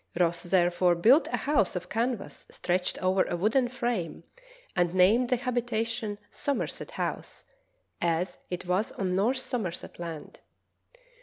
Ross therefore built a house of canvas stretched over a wooden frame, and named the habitation Somerset House, as it was on North Somerset Land.